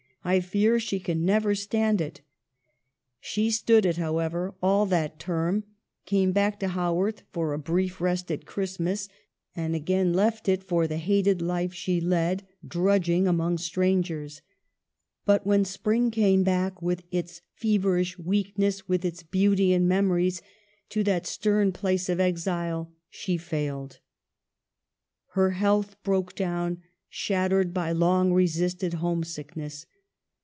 I fear she can never stand it." She stood it, however, all that term ; came back to Haworth for a brief rest at Christmas, and again left it for the hated life she led, drudging among strangers. But when spring came back, with its feverish weakness, with its beauty and memories, to that stern place of exile, she failed. Her health broke down, shat tered by long resisted homesickness.